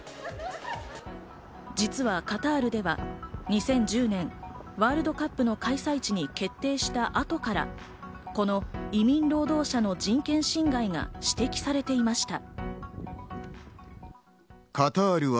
実はカタールでは、２０１０年、ワールドカップの開催地に決定した後から、この移民労働者の人権侵害が指摘されていました。